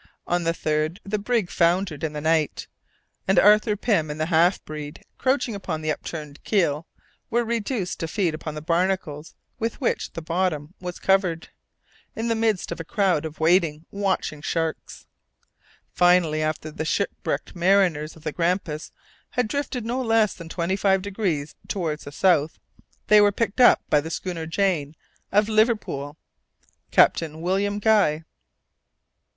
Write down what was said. On the 3rd, the brig foundered in the night, and Arthur Pym and the half breed, crouching upon the upturned keel, were reduced to feed upon the barnacles with which the bottom was covered, in the midst of a crowd of waiting, watching sharks. Finally, after the shipwrecked mariners of the Grampus had drifted no less than twenty five degrees towards the south, they were picked up by the schooner Jane, of Liverpool, Captain William Guy.